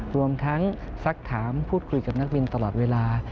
รวมทั้งสักถามพูดคุยกับนักบินตลอดเวลา